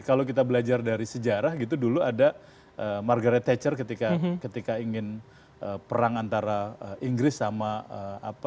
kalau kita belajar dari sejarah gitu dulu ada margaret thatcher ketika ingin perang antara inggris sama apa